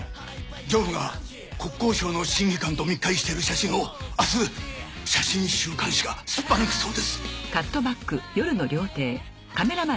常務が国交省の審議官と密会している写真を明日写真週刊誌がすっぱ抜くそうです！